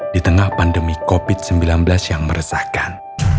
di tengah pandemi covid sembilan belas yang meresahkan